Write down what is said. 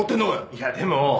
いやでも。